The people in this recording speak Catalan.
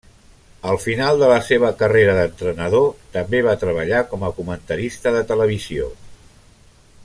Al final de la seva carrera d'entrenador, també va treballar com a comentarista de televisió.